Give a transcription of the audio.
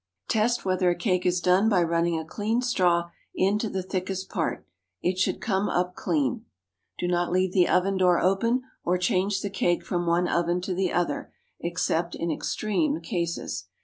Test whether a cake is done by running a clean straw into the thickest part. It should come up clean. Do not leave the oven door open, or change the cake from one oven to the other, except in extreme cases.